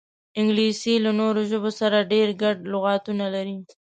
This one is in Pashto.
انګلیسي له نورو ژبو سره ډېر ګډ لغاتونه لري